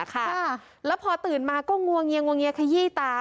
แล้วพอตื่นมาก็งวงเงียขยี้ตา